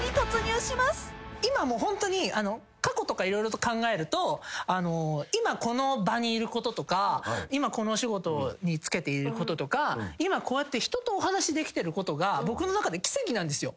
今もうホントに過去とか色々と考えると今この場にいることとか今このお仕事に就けていることとか今こうやって人とお話しできてることが僕の中で奇跡なんですよ。